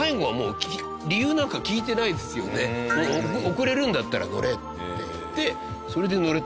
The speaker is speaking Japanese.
「遅れるんだったら乗れ」って言ってそれで乗れた。